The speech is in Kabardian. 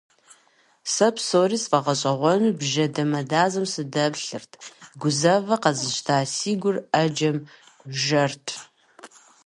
Сэ псори сфӀэгъэщӀэгъуэну бжэ дамэдазэм сыдэплъырт, гузавэ къэзыщта си гур Ӏэджэм жэрт.